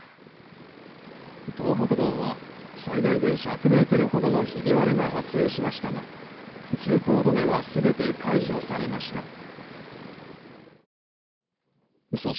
東北道は最大で１００ｍほどのひび割れが発生しましたが通行止めは全て解除されました。